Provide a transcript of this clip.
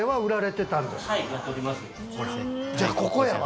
じゃあここやわ。